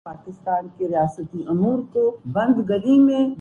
محمد عرفان کا T twenty cricket میں حیرت انگیز ریکارڈ